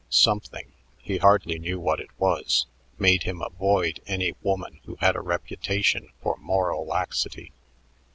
Something he hardly knew what it was made him avoid any woman who had a reputation for moral laxity.